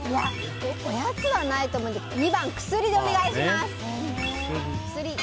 おやつはないと思うんで２番、くすりでお願いします。